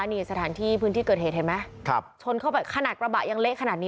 นี่สถานที่พื้นที่เกิดเหตุเห็นไหมครับชนเข้าไปขนาดกระบะยังเละขนาดนี้